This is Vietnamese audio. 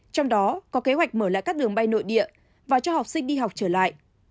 trong đó có kế hoạch mở lại các đường bay nội địa và cho học sinh đi học trở lại